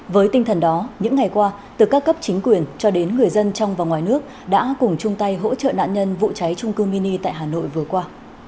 với tinh thần đó những ngày qua từ các cấp chính quyền cho đến người dân trong và ngoài nước đã cùng chung tay hỗ trợ nạn nhân vụ cháy trung cư mini tại hà nội vừa qua